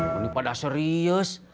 nih lu pada serius